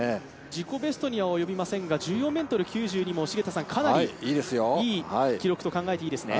自己ベストには及びませんが１４ｍ９２ｍもかなりいい記録と考えていいですね。